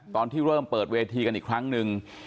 ตอนที่เริ่มเปิดเวทีกันอีกครั้งหนึ่ง